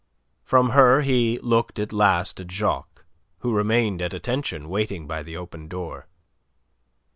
From her he looked at last at Jacques, who remained at attention, waiting by the open door.